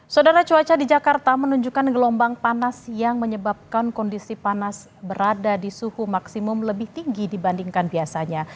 saudara cuaca di jakarta menunjukkan gelombang panas yang menyebabkan kondisi panas berada di suhu maksimum lebih tinggi dibandingkan biasanya